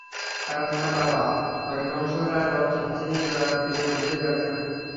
কারণ তাঁর বাবা হরিবংশ রাই বচ্চন ছিলেন জয়ার প্রিয় কবিদের একজন।